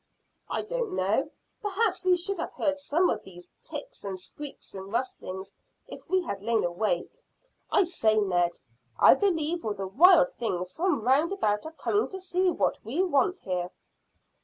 "I don't know. Perhaps we should have heard some of these ticks and squeaks and rustlings if we had lain awake. I say, Ned, I believe all the wild things from round about are coming to see what we want here."